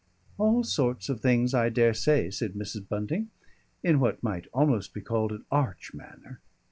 "All sorts of things, I dare say," said Mrs. Bunting, in what might almost be called an arch manner.